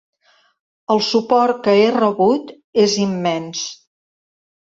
El suport que he rebut és immens.